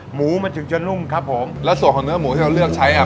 หมูมันถึงจะนุ่มครับผมแล้วส่วนของเนื้อหมูที่เราเลือกใช้อ่ะ